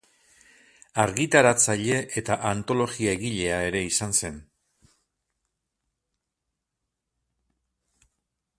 Argitaratzaile eta antologia-egilea ere izan zen.